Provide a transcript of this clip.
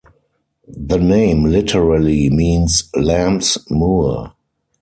The name literally means "lambs' moor".